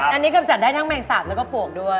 อันนี้กำจัดได้ทั้งแมงสาบแล้วก็ปวกด้วย